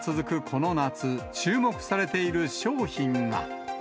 この夏、注目されている商品が。